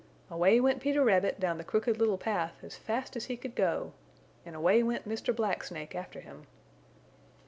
Away went Peter Rabbit down the Crooked Little Path as fast as he could go, and away went Mr. Black Snake after him.